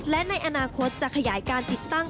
และในอนาคตจะขยายการติดตั้ง